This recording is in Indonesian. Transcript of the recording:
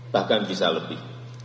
bahkan bisa lebih